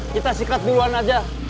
kita sikat duluan aja